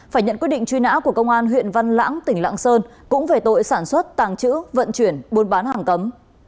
phải nhận quyết định truy nã của công an huyện văn lãng tỉnh lạng sơn cũng về tội sản xuất tàng trữ vận chuyển buôn bán hàng cấm